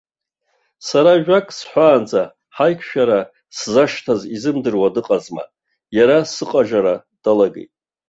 Сара ажәак сҳәаанӡа, ҳаиқәшәара сзашьҭаз изымдыруа дыҟазма, иара сыҟажара далагеит.